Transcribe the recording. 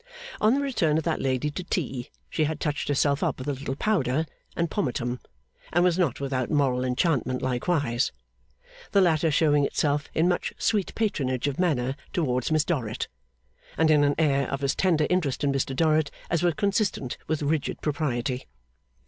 On the return of that lady to tea, she had touched herself up with a little powder and pomatum, and was not without moral enchantment likewise: the latter showing itself in much sweet patronage of manner towards Miss Dorrit, and in an air of as tender interest in Mr Dorrit as was consistent with rigid propriety.